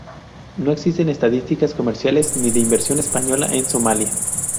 No existen estadísticas comerciales ni de inversión española en Somalia.